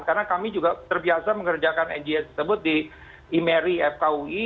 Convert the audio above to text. karena kami juga terbiasa mengerjakan ngn tersebut di imeri fkui